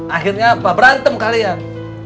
akhirnya apa berantem kalian